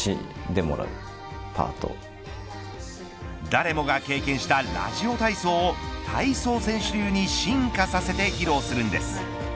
誰もが経験したラジオ体操を体操選手流に進化させて披露するんです。